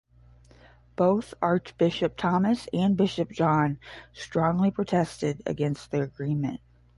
Both Archbishop Thomas and Bishop John strongly protested against the agreement.